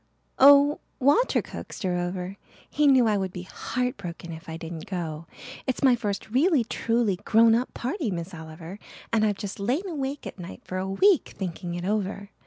"Oh, Walter coaxed her over. He knew I would be heart broken if I didn't go. It's my first really truly grown up party, Miss Oliver, and I've just lain awake at nights for a week thinking it over.